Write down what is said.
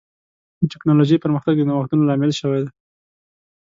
د ټکنالوجۍ پرمختګ د نوښتونو لامل شوی دی.